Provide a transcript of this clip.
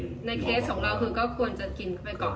ในเคสของเราคือก็ควรจะกินเข้าไปก่อน